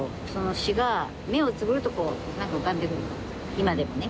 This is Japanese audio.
今でもね。